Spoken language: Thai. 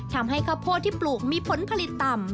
ทำให้ขโพธิ์ที่ปลูกมีผลผลิตต่ำ